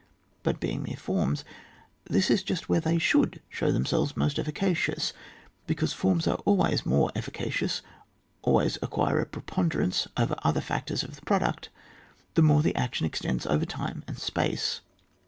But being mere forms, this is just where they should show themselves most effica cious, because forms are always more efficacious, always acquire a preponde rance over other factors of the product, the more the action extends over time and space.